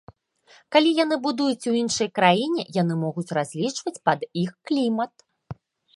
Калі яны будуюць у іншай краіне, яны могуць разлічваць пад іх клімат.